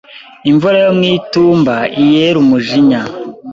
imvura yo mwitumba iyera umujinya